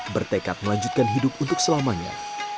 bertekad melanjutkan hidup untuk selamanya